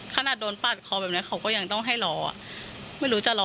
ขนาดโดนปาดคอแบบนี้เขาก็ยังต้องให้รอไม่รู้จะรอ